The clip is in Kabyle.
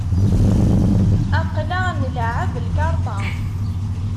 Aql-aɣ nleεεeb lkarṭa.